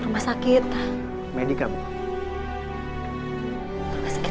masih mana kondisi